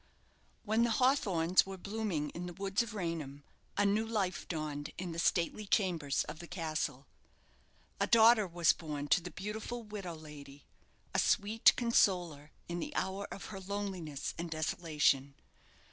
When the hawthorns were blooming in the woods of Raynham, a new life dawned in the stately chambers of the castle. A daughter was born to the beautiful widow lady a sweet consoler in the hour of her loneliness and desolation.